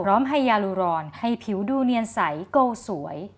พร้อมไฮยาลูรอนให้ผิวดูเนียนใสเก้าสวย